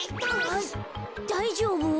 あっだいじょうぶ？